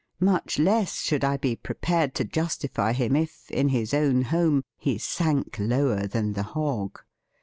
Much less should I be prepared to justify him if, in his own home, he sank lower than the hog.